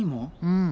うん。